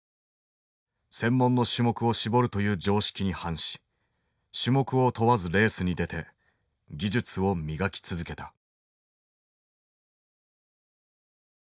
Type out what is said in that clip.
専門の種目を絞るという常識に反し種目を問わずレースに出て技術を磨き続けた。